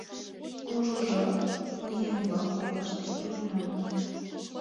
Кужу жап кугыеҥ-влак коклаште иленам